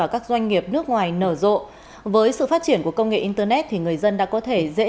các đối tác tài xế